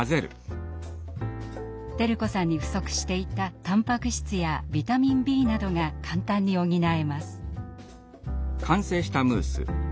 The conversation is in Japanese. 輝子さんに不足していたタンパク質やビタミンＢなどが簡単に補えます。